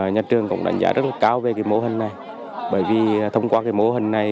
nhà trường cũng đánh giá rất cao về mô hình này bởi vì thông qua mô hình này